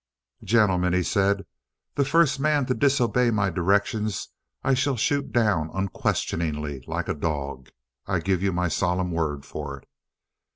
"Gentlemen," he said, "the first man to disobey my directions I shall shoot down unquestioningly, like a dog. I give you my solemn word for it!"